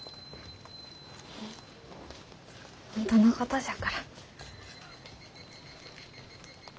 本当のことじゃから。